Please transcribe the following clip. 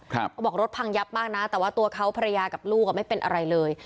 เขาบอกรถพังยับมากนะแต่ว่าตัวเขาภรรยากับลูกไม่เป็นอะไรเลย